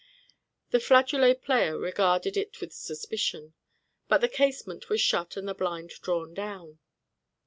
The flageolet player regarded it with suspicion; but the casement was shut and the blind drawn down.